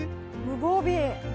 無防備。